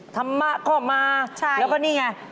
ธรรมะก็มาแล้วก็นี่ไง